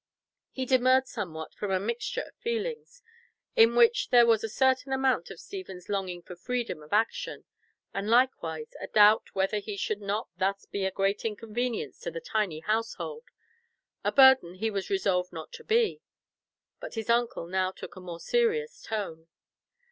He demurred somewhat from a mixture of feelings, in which there was a certain amount of Stephen's longing for freedom of action, and likewise a doubt whether he should not thus be a great inconvenience in the tiny household—a burden he was resolved not to be. But his uncle now took a more serious tone.